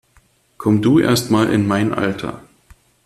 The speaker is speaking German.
Komm du erst mal in mein Alter!